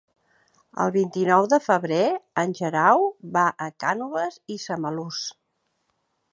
El vint-i-nou de febrer en Guerau va a Cànoves i Samalús.